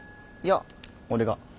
いや俺が。